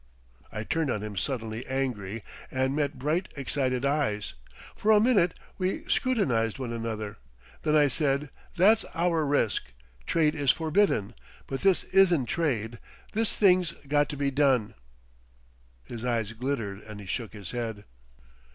I turned on him suddenly angry and met bright excited eyes. For a minute we scrutinised one another. Then I said, "That's our risk. Trade is forbidden. But this isn't trade.... This thing's got to be done." His eyes glittered and he shook his head....